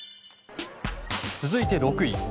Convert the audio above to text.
続いて６位。